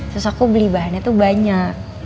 terus aku beli bahannya tuh banyak